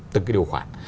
từng cái điều khoản